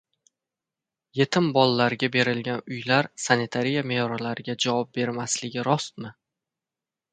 Etim bolalarga berilgan uylar sanitariya me’yorlariga javob bermasligi rostmi?